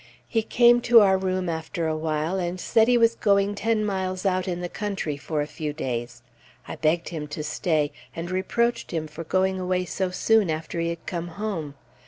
He came to our room after a while and said he was going ten miles out in the country for a few days. I begged him to stay, and reproached him for going away so soon after he had come home.